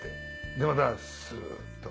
でまたスっと。